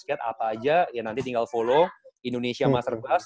intinya tentang basket apa aja ya nanti tinggal follow indonesia masterclass